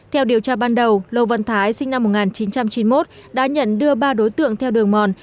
theo điều tra ban đầu lầu văn thái sinh năm một nghìn chín trăm chín mươi một đã nhận đưa ba đối tượng theo đường mòn